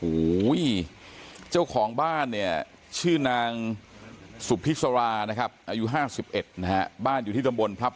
โอ้โหเจ้าของบ้านเนี่ยชื่อนางสุพิษรานะครับอายุ๕๑นะฮะบ้านอยู่ที่ตำบลพลับ